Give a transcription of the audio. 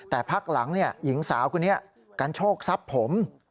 แต่พักหลังหญิงสาวคนนี้กันโชคทรัพย์ผม